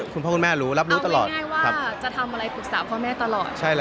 คุณพ่อคุณแม่รู้รับรู้ตลอดว่าจะทำอะไรปรึกษาพ่อแม่ตลอด